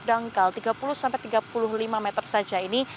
ketika ini di sini ada tiga kantong jenazah yang berisikan seperti laporan